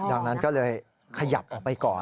ดังนั้นก็เลยขยับออกไปก่อน